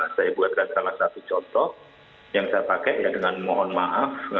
saya buatkan salah satu contoh yang saya pakai ya dengan mohon maaf